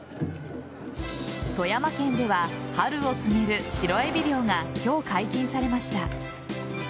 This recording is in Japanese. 富山県には春を告げるシロエビ漁が今日、解禁されました。